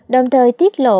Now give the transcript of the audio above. đồng thời tiết lộ